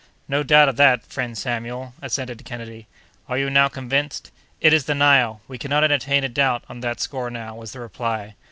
"No doubt of that, friend Samuel," assented Kennedy. "Are you now convinced?" "It is the Nile! We cannot entertain a doubt on that score now," was the reply.